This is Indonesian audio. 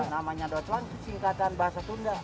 namanya docelang itu singkatan bahasa tunda